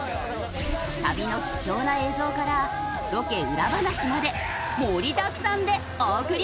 旅の貴重な映像からロケ裏話まで盛りだくさんでお送りします！